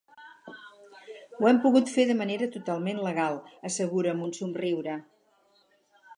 Ho hem pogut fer de manera totalment legal, assegura amb un somriure.